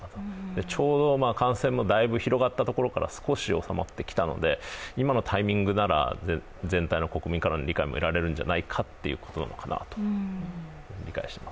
ちょうど感染もだいぶ広まったところから少し収まってきたので今のタイミングなら、全体の国民からの理解も得られるんじゃないかということなのかなと理解しています。